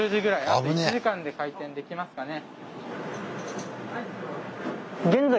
あと１時間で開店できますかね。